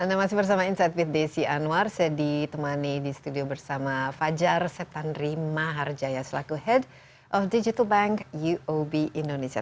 anda masih bersama insight with desi anwar saya ditemani di studio bersama fajar setanri maharjaya selaku head of digital bank uob indonesia